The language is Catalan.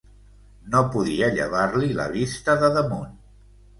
No podia llevar-li la vista de damunt.